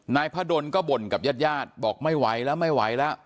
พระดนก็บ่นกับญาติญาติบอกไม่ไหวแล้วไม่ไหวแล้ว